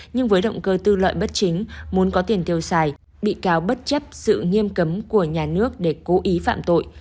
nhưng với động cơ tư lợi bất chính muốn có tiền tiêu xài bị cáo bất chấp sự nghiêm cấm của nhà nước để cố ý phạm tội